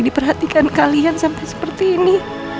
diperhatikan kalian sampai seperti ini